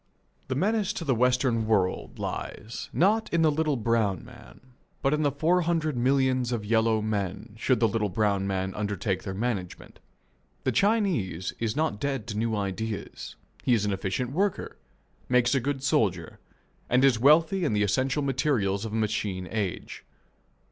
The menace to the Western world lies, not in the little brown man, but in the four hundred millions of yellow men should the little brown man undertake their management. The Chinese is not dead to new ideas; he is an efficient worker; makes a good soldier, and is wealthy in the essential materials of a machine age.